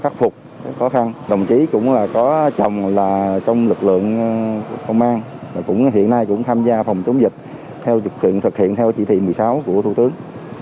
cố gắng là khắc phục khó khăn đồng chí cũng là có chồng là trong lực lượng công an hiện nay cũng tham gia phòng chống dịch thực hiện theo chỉ thị một mươi sáu của thủ tướng